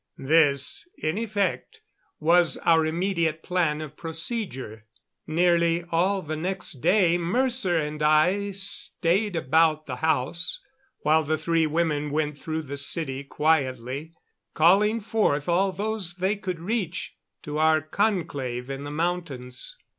This, in effect, was our immediate plan of procedure. Nearly all the next day Mercer and I stayed about the house, while the three women went through the city quietly, calling forth all those they could reach to our conclave in the mountains.